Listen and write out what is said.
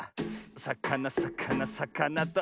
さかなさかなさかなと。